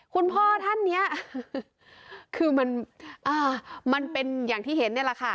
คุณพ่อท่านนี้คือมันเป็นอย่างที่เห็นนี่แหละค่ะ